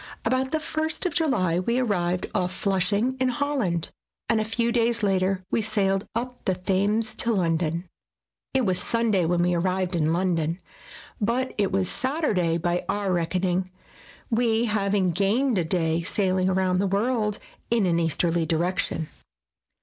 About the first of July we arrived off Flushing in Holland and a few days later we sailed up the Thames to London. It was Sunday when we arrived in London, but it was Saturday by our reckoning, we having gained a day sailing round the world in an easterly direction.